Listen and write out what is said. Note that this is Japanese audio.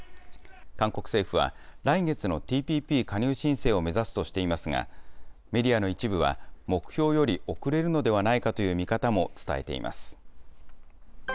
韓国政府は、来月のＴＰＰ加入申請を目指すとしていますが、メディアの一部は、目標より遅れるのではないかという見方も伝えています。